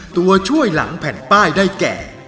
ตัวช่วยหลังแผ่นป้ายได้แก่